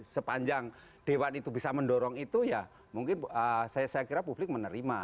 sepanjang dewan itu bisa mendorong itu ya mungkin saya kira publik menerima